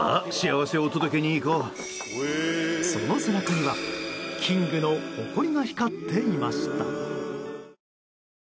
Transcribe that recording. その背中にはキングの誇りが光っていました。